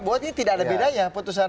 bahwa ini tidak ada bedanya putusan